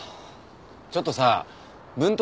ちょっとさ文東